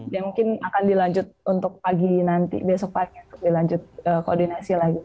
dan mungkin akan dilanjut untuk pagi nanti besok pagi akan dilanjut koordinasi lagi